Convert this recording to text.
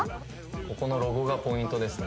ここのロゴがポイントですね